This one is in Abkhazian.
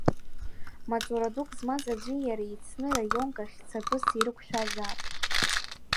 Маҵура дук змаз аӡәи иареи еицны раионк ахь цатәыс ирықәшәазаап.